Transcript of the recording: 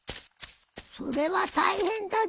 それは大変だじょ。